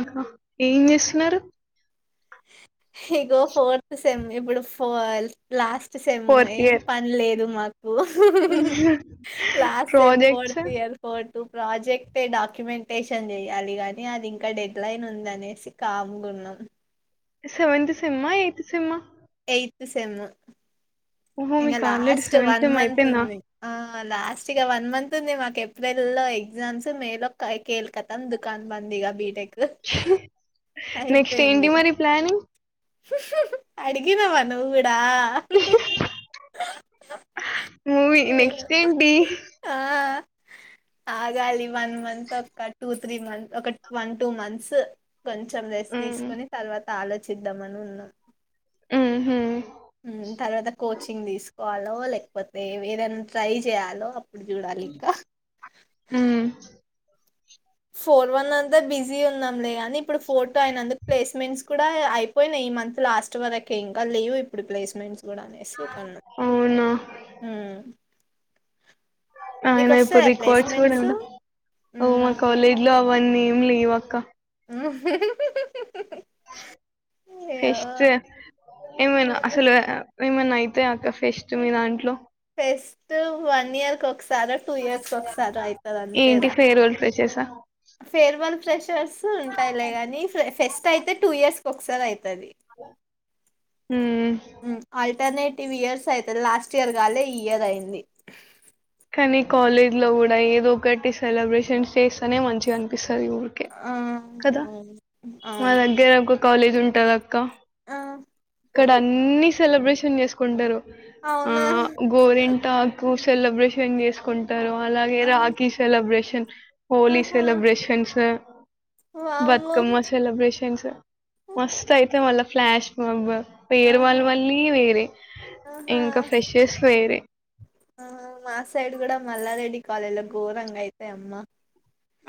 ఆహా ఏం చేస్తున్నారు ఇగో ఫోర్త్ సెమ్ ఇప్పుడు ఫాల్ లాస్ట్ వచ్చేసాము ఫోర్త్ ఏం ఇయర్ పని లేదు మాకు ఓ last time projects fourth year four project documentation చేయాలి గాని అది ఇంకా డెడ్ లైన్ ఉంది అనేసి కామ్ గా ఉన్నాం సెవెంత్ సెమ్ ఆ ఎయిత్ సెమ్ ఆ ఎయిత్ సెమ్ము ఓహో ఇంకా మీకు already last seventh one sem month అయిపోయిందా ఉంది ఆ లాస్ట్గా వన్ మంత్ ఉంది మా ఏప్రిల్ లో ఎగ్జామ్స్ మే లో కేల్ కథం దుకాన్ బంద్ ఇగా బీటెక్ నెక్స్ట్ ఏంటి మరి ప్లాన్ అడిగినావా నువ్వు డా మూవీ నెక్స్ట్ ఏంటి ఆ ఆగాలి వన్ మంత్ ఒక్క టూ త్రీ మంత్స్ ఒక వన్ టూ మంత్స్ కొంచెం రెస్ ఉమ్, తీసుకొని తర్వాత ఆలోచిం వద్దామని ఉన్నా ఉహూ ఉమ్ తర్వాత కోచింగ్ తీసుకు కోవాలో లేకపోతే ఏదైనా ట్రై చేయాలో చూడాలి ఇంకా ఉమ్ ఫోర్ వన్ అంతా బిజీ ఉన్నాంలే అని ఇప్పుడు ఫోర్ టు అయినందు ప్లేస్మెంట్స్ కూడా అయిపోయినాయి ఈ మంత్ లాస్ట్ వరకే ఇంకా లేవు ఇప్పుడు ప్లేస్మెంట్స్ గూడా అనేసి కన్నా అవునా ఉమ్ ఆ మీకు అయిన ఇప్పుడు వస్తాయా రిక్వెస్ట్ కూడా ప్లేస్మెంట్స్ అవు మా ఉమ్ కాలేజ్ లో వన్నీం లీవ్ అక్క ఆ ఫెస్ట్ ఏమన్నా అయితే అక్క ఫెస్ట్ మీ దాంట్లో ఫెస్ట్ వన్ ఇయర్ కో సర్ సారా టూ ఇయర్స్ వక సారా అయితాది అంతేరా చేసా ఫేర్మల్ ఫెషర్స్ ఉంటాయిలే గాని ఫెస్ యితే టూ ఇయర్స్కి ఒక్కసారి అయితే ఆల్టర్నే టు ఇయర్స్ అయితది లాస్ట్ ఇయర్ కాలే ఈ ఇయర్ అయింది కానీ కాలేజ్ లో కూడా ఏదో ఒకటి సెలబ్రేషన్ చేస్తనే మంచిగా అనిపిస్తుంది సరి ఊరికే ఆ కదా అవును మ అవును దగ్గేర కాలేజ్ ఉంటది అక్క ఆ ఇక్కడ అన్ని సెలబ్రేషన్ చేసుకుంటారు ఆ అవునా గోరింటాకు సెలిబ్రేన్ చేసుకుంటే ఆ తవాలాగేరాకి సెలిబ్రషన్ హోలీ ఆహా సెలబ్రేషన్స్ అ వామ్మో బతుకమ్మ సెలబ్రేషన్స్ మస్త అయితే మళ. Flash mob. వేరు వాళ్ళ ఆహా వల్ళీ వేరే ఆహా ఇంకా ఫ్రెషెస్ వేరే. ఆ మా సైడ్ కూడా మల్లారెడ్డి కాలేజ్ లో గోరంగా అయితయి అమ్మ.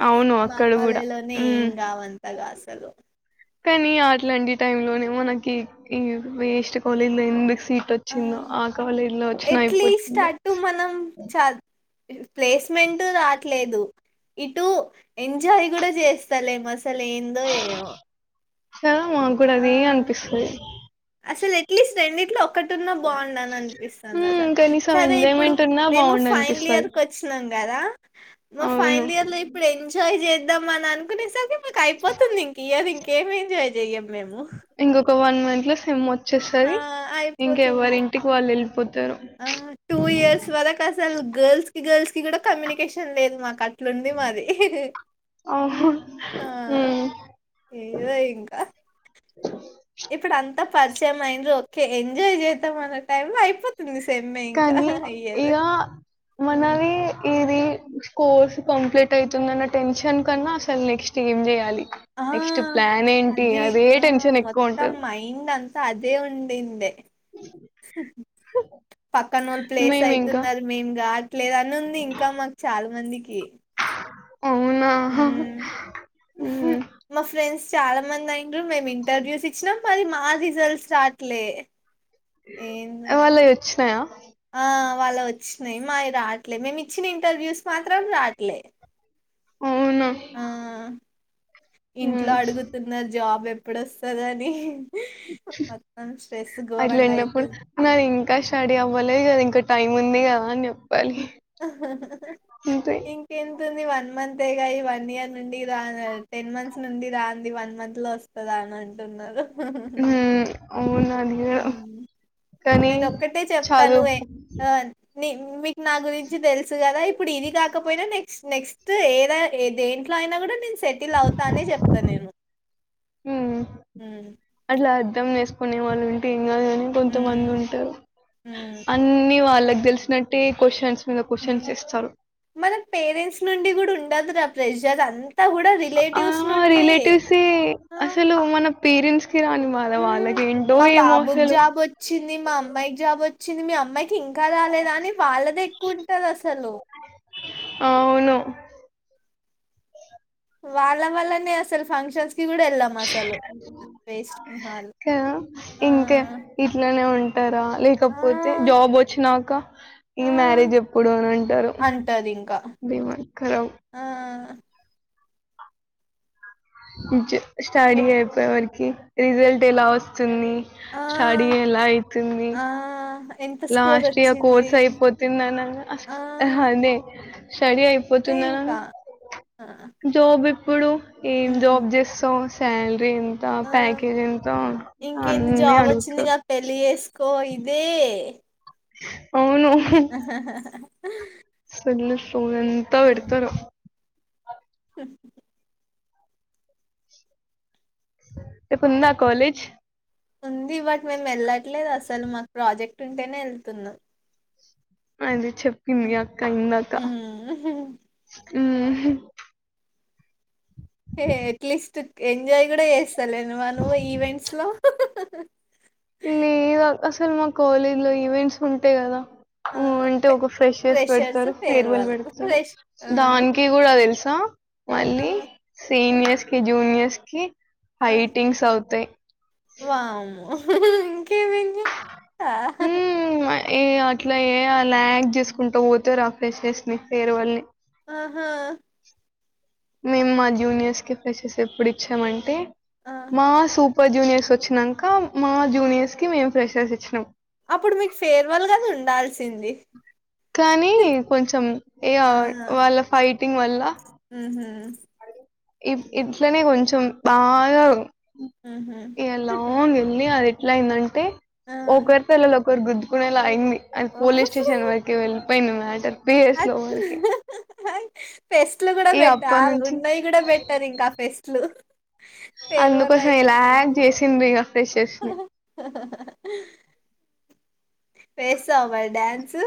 అవును మా అక్కడ కూడా కాలేజీలోనే ఏం ఉమ్ కావంతగా అసలు. కానీ అట్లాంటి టైం లోనే మనకి ఈ వేస్ట్ కాలేజ్ లో ఎందుకు. సీట్ వచ్చిందో ఆ కాలేజీ లో వచ్చినా ఎట్లీస్ట్ అయిపోతుందే అటు మనం చ ప్లేస్మెంట్ రాట్లేదు. ఇటు. ఎంజాయ్ కూడా చేస్తలేేమో అసలు ఏందో ఏమో. చా మాకు కూడా అదే ఆ అనిపిస్తది. ప్లీస్ అనిటీలో ఒకన్నా బాగుండు అని అనిపిస్తుంది ఉమ్ అసల్ కనీసం సరే ఇప్పుడు ఎంజాయ్మెంట్ ఉన్నా మేము బాగుండు ఫైనల్ అనిపిస్తది ఇయర్ వచ్చినాం కదా మా అవును ఫైనల్ ఇర్ లో ఇప్పుడు ఎంజాయ్ చే. చేద్దామని అనకునే సరికి ఇంకా అయిపోతుంది ఇంకా ఈయర్ ఇంకేమి ఎంజాయ్ చెయ్యం. మేము ఇంగొక వన్ మం త్లో సెమ్ ఆ వచ్చేస్తది అయిపోతుంది. ఇంకెవరింటికి వాళ్ళు వెళ్ళిపోతారు ఆ టూ ఇయర్స్ వరకు అసలు గర్ల్స్ కి గర్ల్స్ కి కూడా కమ్యూనికేషన్ లేదు మాకు అ ట్లుంది మాది. అవును ఆ ఉమ్ ఏదొ ఇంకా. కే ఎంజాయ్ చేద్దాంమన్న టైం లో అయిపోతుంది. సెమ్మే ఇంకా కానీ అయ్యేది ఇగా హ్మ్. మనవి ఇది కోర్స్ కంప్లీట్ అయితుందన్న టెన్షన్ కన్నా అసలు నెక్స్ట్ ఏం చేయాలి. ఆ నెక్స్ట్ ప్లాన్ ఏంటి అది అదే ఆ టెన్షన్ ఎక్కువ మొత్తం ఉంటది మైండ్ అంతా అదే ఉండిందే. హ్ పక్కన వాళ్ళు ప్లేస్ మేము ఇంకా అయితున్నరు మేము గా లేదని ఉంది ఇంకా మాకు చాలా మందికి. అవునా హ్మ్ హుహ్ ఉమ్, మా ఫ్రెండ్స్ చాలా మంది అయి రు మేమ్ ఇంటర్వ్యూస్ ఇచ్చినం. మరి మా రిజల్ట్స్ రాట్లే. ఏందో వాళ్ళవి వచ్చినయా వాళ్ళవి వచ్చినయి మాయి రాట్లే మేము ఇచ్చిన ఇంటర్వ్యూస్ మాత్రం రాట్లే. అవునా ఆ ఇంట్లో ఉమ్, అడుగుతున్నారు జాబు ఎప్ ఎప్పుడు వస్తది అని. ఘోరంగా అట్లాంటప్పుడు అయితుంది నాది ఇంకా స్టడీ అవ్వలేదు కదా ఇంకా టైమ్ ఉంది కదా అని చెప్ చెప్పాలి అంతే తుంది వన్ మంతేగా ఈ వన్ ఇయర్ నుండి రా టెనెమంత్స్ నుండి రాంది వన్ మంత్ లో వస్తదా అంటున్నరు. ఉ ఉఉ ఉమ్, అవునా అయ్యో కానీ నేను ఒక్కటే చెప్తాను చదువు ఏ ఆ నీ మీకు నా గురించి తెలుసు కదా ఇప్పుడు ఇది కాకపోయినా నెక్స్ట్ నెక్స్ట్ ఏద ఏ దేంట్లో అయినా కూడా నేను సెటిల్ అవుతానే చెప్తా నేను. హ్ మొత్తం దీసుకునే వాళ్ళు ఉంటే కానీ కొంత మంది ఉమ్ ఉంటారు ఉమ్ అన్ని వాళ్ళ వాళ్ళకి తెలిసినట్టే క్వశ్చన్స్ మీద ఉ క్వశ్చన్స్ ఇస్తారు మన పేరెంట్స్ నుండి గూడా ఇదంతా ప్రెషర్ అ ఆ రిలేటివ్సే ఆ! అసలు మన పేరెంట్స్ పనికిరాని బాధ హ్మ్. వాళ్లకేంటో మా బాబుకి అసలు జాబ్ వచ్చింది, మా అమ్మాయికి జాబ్ వచ్చింది మీ అమ్మాయి ఇంకా రాలేద అని వాళ్ళదె ఎక్కువుంటుందసలు ఆ అవును వాళ్ళ వాళ్లనే అసల్ ఫంక్షన్స్ కి కూడా వెళ్ళాం అసలు. వేస్ట్ మొహాలు. ఆ! ఇంకా ఇట్లానే ఉంటా రా లేకపోతే ఆ! జాబ్ వొచ్చినా ఇంకా ఆ! ఈ మ్యారేజ్ ఎప్పుడు అని అంటారు అంటది ఇంకా. దిమాక్ ఖరాబ్ ఆ! ఈ జ్ స్టడీ ఎట్ అయిపోయే వరకు రిజల్ట్ ఎలా వస్తుంది ఆ! స్టడీ ఎలా అయితుంది ఆ! ఎంత స్కోర్ లాస్ట్ ఇయర్ వచ్చింది? కోర్స్ అయిపోతందనంగా ఆ! నాన్న అదే స్టడీ అంతే ఇంకా. అయిపోతుందనంగ ఆ! జాబ్ ఎప్పుడూ ఏం హ్మ్. జాబ్ జేస్సవ్ కాల్ ఎంత ఆ! ప్యాకేజ్ ఎంత అని అడుగుతారు కోయిదే హ్ హ్ సల్ సొల్లు ఎంతా పెడుతారు రేపు ఉందా కాలజ్ ఉంది బట్ మేము యెళ్ళట్లేదు అసలు మాకు ప్రాజెక్ట్ ఉంటేనే వెళ్తున్నాం అది చెప్పింది ఈ అక్క ఇందాక హ్మ్ హు ఏ ఎంజాయ్ కూడా చేస్తలేను మా నువ్వు ఈవెంట్స్ లో లేదు అసలు మా కాలేజ్ లో ఈవెంట్స్ ఉంటే కదా హ్మ్ అంటే ఒక ఫ్రెషర్స్ పెడతారు ఫేర్ వెల్ ఫేర్వెల్ పెడతారు ఫ్రెష్ దానికి కూడా తెల్స్ కా మళ్ళీ సీనియర్స్ కి జూనియర్స్ కి ఫైటింగ్స్ అవుతాయ్ వామ్మో హ్మ్ ఏ అట్లా ఏ లాగ్ చేసుకుంటు పోతారు ఆ ఫ్రెషర్స్ ని ఫేర్ వెల్ ని ఆహా మేము మా జూనియర్స్ కి ఫ్రెషర్స్ ఎప్పుడు ఇచ్చామంటే మా సూప్ జూనియర్స్ వచ్చినంకా మా జూనియర్స్ కి మేం ఫెషర్స్ ఇచ్చినాం అప్పుడు మీకు ఫేర్ వెల్ గదా ఉండాల్సింది కానీ కొంచెం ఇగ ఆ వాళ్ళ ఫైటింగ్ వల్ల హ ఇవ్ ఇ ఇట్లనే కొంచెం బాగా ఉహు ఏలాన్ వెళ్లి అది అట్ల అయిందన్ టే ఒకరి ఆ తలలో కోర్ గుద్దుకునే లా అయింది అది పోలీస్ స్టేషన్ వరుకు వెళ్ళి పోయింది మ్యాటర్ బి ఎస్ లో వరికి ఫెస్ట్లు కూడా పెట్టా నుంచి ఉన్నాయి కూడా పెట్టరు ఇంక ఫెస్ట్లు ఫెరు వెల్ అందుకోసం అయితది లాగ్ రెండు చేసిండ్రు ఇగ ఫ్రెషర్స్ ని వేసావ మరి డాన్స్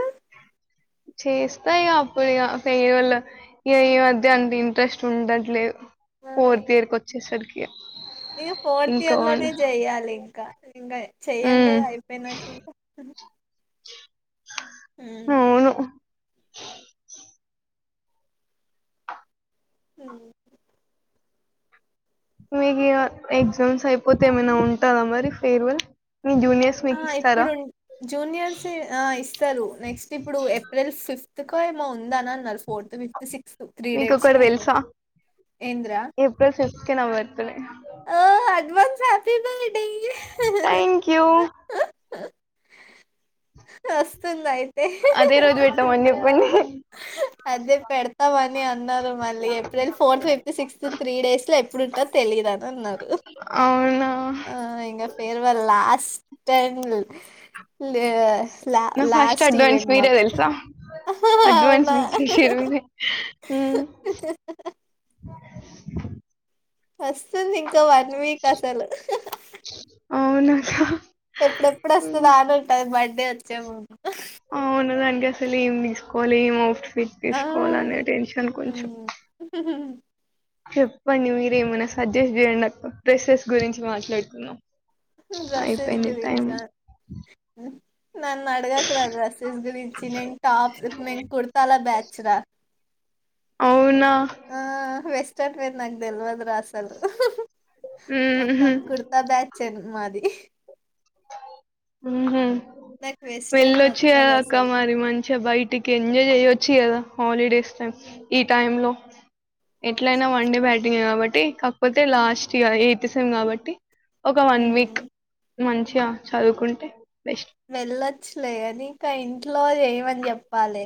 చేస్తా ఇగ అప్పుడు ఇగ ఫేర్వెల్ ఇగ ఈ మధ్య అంత ఇన్ ఇంట్రెస్ట్ ఉండట్లేదు ఫోర్త్ ఇయర్ కి వచ్చేసరికి ఇ ఇంకా ఫోర్తియర్ వన్ లోనే చేయాలింక ఇంక చెయ్యం ఉమ్ కదా అయిపోయినంక ఇంక హుమ్ అవును [inaudible] హుమ్ మీకు ఇక ఎగ్జామ్స్ అయిపోతే ఏమైనా ఉంటందా మరి ఫేర్వెల్ మీ జూనియర్స్ ఆ మీకు ఇస్తారా ఇప్పుడు జూనియర్స్ ఆ ఇస్తారు నెక్స్ట్ ఇప్పుడు ఏప్రిల్ ఫిఫ్త్ ఎందుకో ఏమో ఉందా అని అన్నారు ఫోర్త్ ఫిఫ్త్ సిక్స్త్ త్రీ మీకు డేట్స్ లో ఒకటి ఉంది తెలుసా ఏంద్రా సరే ఆ advance happy birthday thank you వస్తుందా ఇప్పు అదే రోజు పెట్టామని చెప్పండి అదే పెడతావని అన్నారు మళ్ళీ April fourth fifth sixth three days లో ఏప్పు అప్పుడిట్ల తెలియద ఉన్నారు అవునా ఇంగ ఫేర్వెల్ లాస్ట్ స్టైలు లే లా నా ఫస్ట్ లాస్ట్ అడ్వాన్స్ ఈవెంట్ మీరే మాకు. తెల్సా అడ్వాన్స్ అవునా! విష్ చేసిర్రు మీరే హుమ్ [inaudible] వస్తుంది ఇంకా వన్ వీక్ అసలు ఆహా ఎప్పుడెప్పుడు వస్తదా అని ఉంటది మై వచ్చేముందు అవును దానికసలు ఏం తీసుకోవాలి ఏం ఔట్ రిఫ్ ఆ! తీసుకోవాలనే టెన్షన్ కొంచెం హ్మ్. చెప్పండి మీరు ఏమైనా సజెస్ట్ చేయండి అక్క డ్రెస్సెస్ గురించి మాట్లాడుతున్నాం డ్రెస్సెస్ గురించా నన్ను అడగకు రా డ్రెస్సెస్ గురించి నేను టాప్స్ ఇ కుర్తాల బ్యాచ్ రా అవునా ఆ వేస్ వేర్ నాకు తెలవదు రా అసలు ఊహు మొత్తం కుర్తా బ్యాచ్ మాది ఉహూ నాకు వెస్టర్న్ వెళ్లొచ్చు కదా నచ్చదు అక్క అసలు మరి చ్చి కదా హాలిడేస్ టైం ఈ టైం లో ఎట్లయినా వన్ డే బ్యాటింగే కాస్ట్ టీ కాకపోతే లాస్ట్ ఇయర్ ఎయిత్ సేమ్ కాబట్టి ఒక వన్ వీక్ ఉమ్. మంచిగా చదువుకుంటే బెస్ట్ వెళ్లొచ్చులే గానీ ఇంక ఇంట్లో చెయ్ మని చెప్పాలి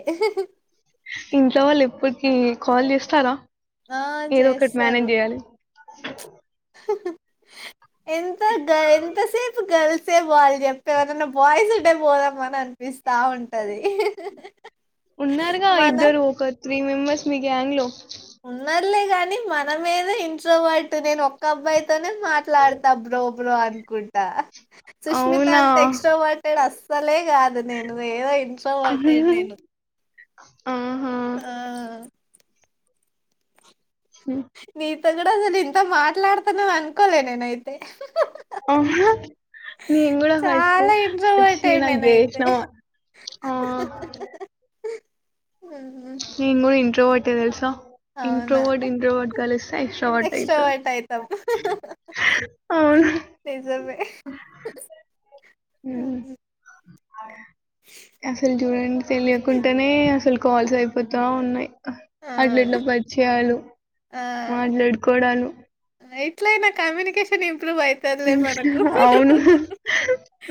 ఇంట్లో వాళ్ళు ఎప్పుటికీ కాల్ చేస్తారా ఆ ఏదో ఒకటి చేస్తారు మేనేజ్ చేయ్యాలి ఎంత గా ఎంతసేపు గల్స్ సే పోవాలి చెప్పు ఎవరినన్నా బాయ్స్ ఉంటే పోదాం అనన్పిస్ ఉన్నారుగా మన ఇద్దరు ఒక త్రీ మెంబర్స్ మీ గ్యాంగ్ లో ఉన్నారులే కాని మన మీద ఇంట్లో వాళ్ట్ నేను ఒక్క అబ్బాయి తోనే మాట్లాడతా బ్రో ప్పుడు అనుకుంటా సుష్మిత అవునా అంత ఎక్ట్రోవర్ట్ టే డస్ తలే కాదు నేను ఏదో ఇంట్రోవర్టే నేను ఆహా ఆ హ్మ్ తే కూడా అసలు ఇంత మాట్లాడుతున్నం అనుకోలే నేనైతే ఆహా నేను కూడా ఫస్ట్ చాలా వచ్చి ఇంట్రోవర్టెడ్ నాకు నేనైతే జేసినం ఆ ఉమ్, నేను కూడా ఇంట్రోవర్ట్ టివ్యూసా అవునా ఇంట్రోవర్ట్ ఇంట్రోవర్ట్ కలిస్తే ఎక్స్ట్రోవర్ట్ ఐతరు ఉ నిజమే ఊ అ అసలు చూడండి తెలియకుంటనే అసలు కాల్స్ అయిపోతా ఉన్నాయ్ ఆహా ఆ అట్ల ఇట్లా పరిచయాలు మాట్లాడుకోవడాలు ఎట్లైనా కమ్యూనికేషన్ ఇవ్ ప్రూవ్ ఐతర్లే మనకు అవును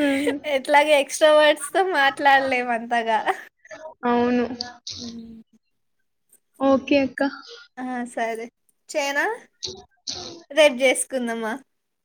ఉమ్. ఎట్లాగ ఎక్సట్రా వర్డ్స్ తో మాట్లాడలేము అంతగా అవును ఓకే అక్క ఆ సరే చేయ్నా రేప్ జెస్ కుందమ్మా